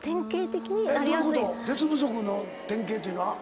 鉄不足の典型というのは？